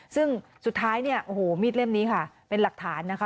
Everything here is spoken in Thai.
ซึ่งสุดท้ายเนี่ยโอ้โหมีดเล่มนี้ค่ะเป็นหลักฐานนะคะ